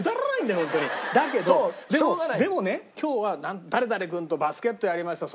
だけどでもね「今日は誰々君とバスケットやりました」